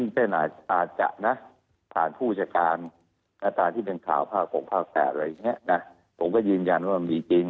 เพราะฉะนั้นระดับคนเนี่ยนะครับ